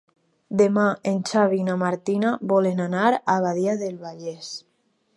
Demà en Xavi i na Martina volen anar a Badia del Vallès.